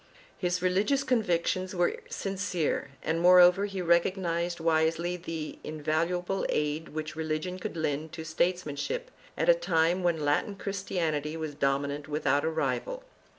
1 His religious convictions were sincere and moreover he recognized wisely the invaluable aid which religion could lend to statesman ship at a time when Latin Christianity was dominant without a rival.